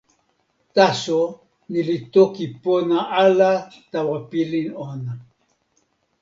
taso ni li toki pona ala tawa pilin ona.